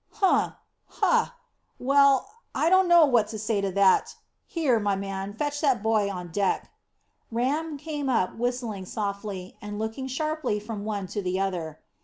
"Hum! Hah! Well, I don't know what to say to that. Here, my man, fetch that boy on deck." Ram came up, whistling softly, and looking sharply from one to the other.